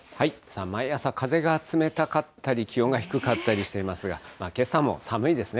毎朝、風が冷たかったり、気温が低かったりしていますが、けさも寒いですね。